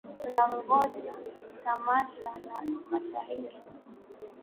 Tunangoja tamasha la mashahiri